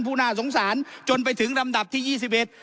น่าสงสารจนไปถึงลำดับที่ยี่สิบเอ็ด